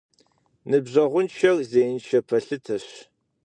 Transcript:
Ныбжьэгъуншэр зеиншэ пэлъытэщ.